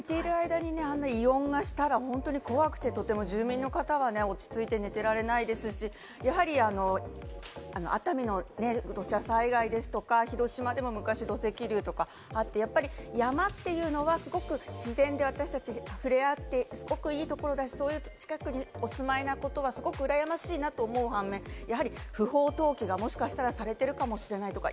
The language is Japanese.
あんな異音がしたら、とても怖くて住民の方々は寝ていられないですし、やはり、熱海の土砂災害ですとか、広島でも昔、土石流とかがあって、山というのはすごく自然で、私たちがふれ合ってすごくいいところですけど、近くにお住まいの方はうらやましいなと思う反面、不法投棄がもしかしたらされているかもしれないとか。